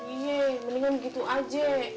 iya mendingan begitu aja